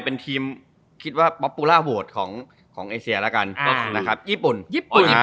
คุณตำราสอธิบาย